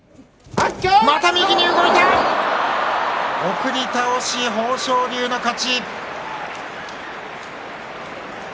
送り倒し、豊昇龍の勝ち。